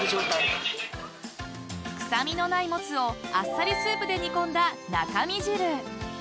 ［臭みのないモツをあっさりスープで煮込んだ］